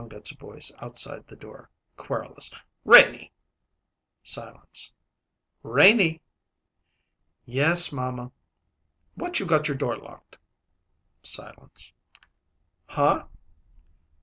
Mrs. Shongut's voice outside the door, querulous: "Renie!" Silence. "Re nie!" "Yes, mamma." "Why you got your door locked?" Silence. "Huh?"